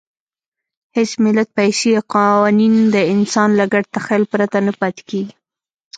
هېڅ ملت، پیسې یا قوانین د انسان له ګډ تخیل پرته نه پاتې کېږي.